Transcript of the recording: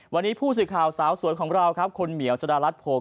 วันนี้ผู้สื่อข่าวสาวสวยของเราครับคุณเหมียวจดารัฐโภค